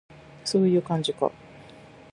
そういう感じか